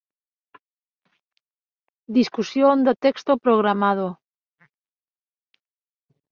Discusión do texto programado